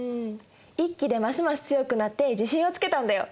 一揆でますます強くなって自信をつけたんだよ。